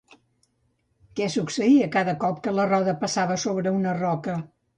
Què succeïa cada cop que la roda passava sobre una roca?